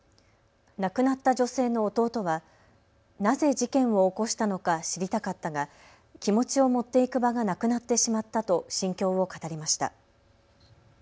亡くなった女性の弟はなぜ事件を起こしたのか知りたかったが気持ちを持っていく場がなくなってしまったと心境を語りました。